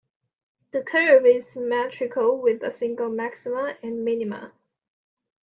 The curve is symmetrical with a single maxima and minima.